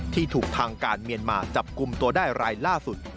ที่ถูกทางการเมียนมาจับกลุ่มตัวได้รายล่าสุด